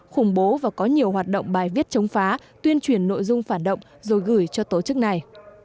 khủng bố và có nhiều hoạt động bài viết chống phá tuyên truyền nội dung phản động rồi gửi cho tổ chức này